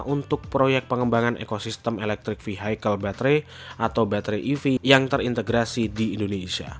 untuk proyek pengembangan ekosistem elektrik vehicle battery atau battery ev yang terintegrasi di indonesia